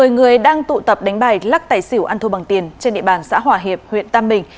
một mươi người đang tụ tập đánh bài lắc tài xỉu ăn thua bằng tiền trên địa bàn xã hòa hiệp huyện tam bình